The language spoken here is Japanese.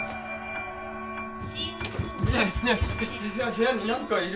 部屋になんかいる！